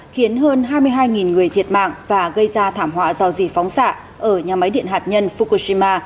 khiến hơn hai mươi hai người thiệt mạng và gây ra thảm họa do gì phóng xạ ở nhà máy điện hạt nhân fukushima